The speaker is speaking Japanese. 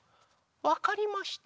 わかりました。